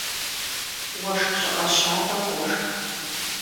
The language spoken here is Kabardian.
Уэшх щӀыӀэ щабэ къошх.